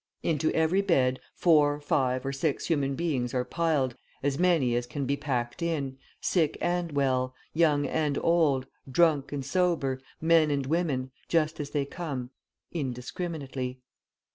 Into every bed four, five, or six human beings are piled, as many as can be packed in, sick and well, young and old, drunk and sober, men and women, just as they come, indiscriminately.